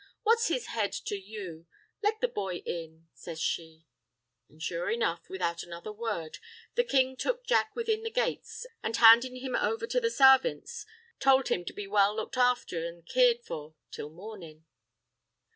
What's his head to you? Let the boy in," says she. An' sure enough, without another word, the king took Jack within the gates, an' handin' him over to the sarvints, tould him to be well looked afther an' cared for till mornin'.